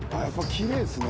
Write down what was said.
きれいですね